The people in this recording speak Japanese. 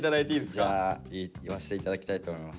じゃあ言わせて頂きたいと思います。